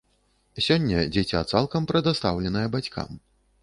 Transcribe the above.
Сёння дзіця цалкам прадастаўленае бацькам.